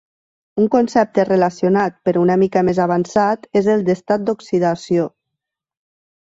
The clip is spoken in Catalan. Un concepte relacionat, però una mica més avançat, és el d'estat d'oxidació.